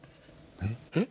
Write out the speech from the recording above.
えっ？